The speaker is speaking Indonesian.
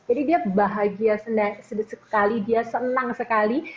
jadi dia bahagia sekali dia senang sekali